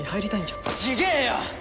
違えよ！